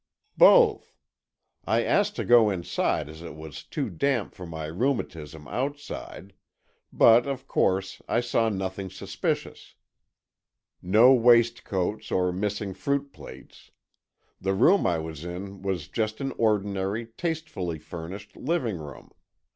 "Both. I asked to go inside as it was too damp for my rheumatism outside. But, of course, I saw nothing suspicious. No waistcoats or missing fruit plates. The room I was in was just an ordinary, tastefully furnished living room.